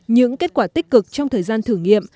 những kết quả tích cực trong thời gian thử nghiệm